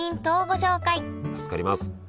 助かります。